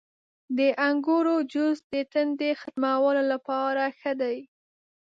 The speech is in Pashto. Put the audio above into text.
• د انګورو جوس د تندې ختمولو لپاره ښه دی.